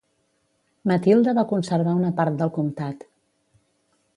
Matilde va conservar una part del comtat.